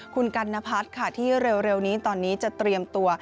คุณกัณพัฒน์ค่ะที่เร็วนี้ตอนนี้จะเตรียมตัว